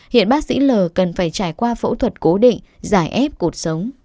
hiện bác sĩ l cần phải trải qua phẫu thuật cố định giải ép cuộc sống